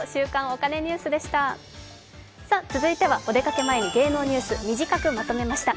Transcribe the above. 続いてはお出かけ前に芸能ニュース、短くまとめました。